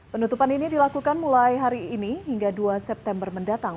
penutupan ini dilakukan mulai hari ini hingga dua september mendatang